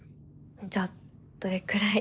じゃあどれくらい？